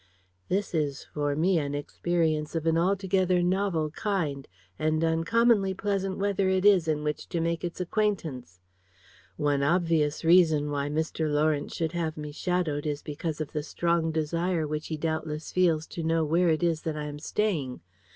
"This is for me an experience of an altogether novel kind, and uncommonly pleasant weather it is in which to make its acquaintance. One obvious reason why Mr. Lawrence should have me shadowed is because of the strong desire which he doubtless feels to know where it is that I am staying.